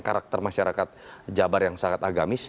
karakter masyarakat jabar yang sangat agamis